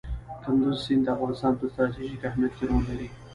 کندز سیند د افغانستان په ستراتیژیک اهمیت کې رول لري.